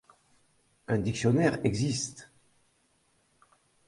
Un dictionnaire existe.